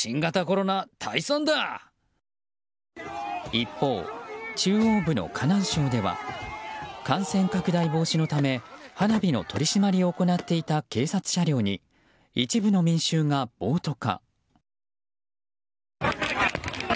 一方、中央部の河南省では感染拡大防止のため花火の取り締まりを行っていた警察車両に一部の民衆が暴徒化。